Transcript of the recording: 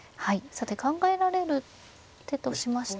さて考えられる手としましては。